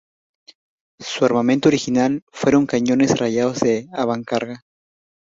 Su armamento original fueron cañones rayados de avancarga.